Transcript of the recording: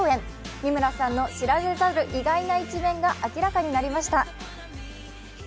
三村さんの知られざる意外な一面が明らかになりました。